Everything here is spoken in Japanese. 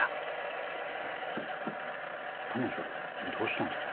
彼女どうしたんですか？